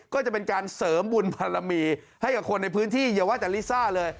ก็จะเป็นการเสริมบุญบารมีให้กับคนในพื้นที่อย่าว่าแต่ลิซ่าเลย